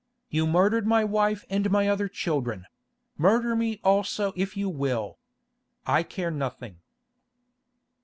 You murdered my wife and my other children; murder me also if you will. I care nothing."